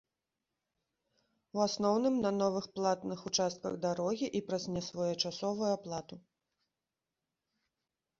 У асноўным на новых платных участках дарогі і праз несвоечасовую аплату.